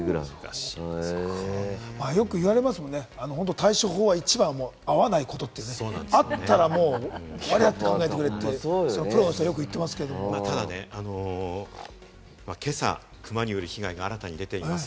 よく言われますもんね、対処法の一番は遭わないことって、あったら、もう終わりだって考えてくれってプロの人がよく言ってただ、今朝クマによる被害が新たに出ています。